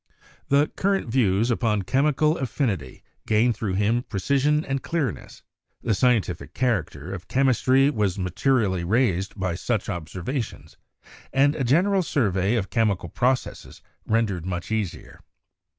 The current views upon chemical affinity gained through him precision and clearness; the scientific character of chemistry was materially raised by such observations, and a general survey of chemical processes rendered much easier.